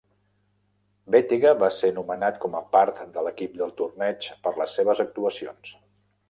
Bettega va ser nomenat com a part de l'equip del torneig per les seves actuacions.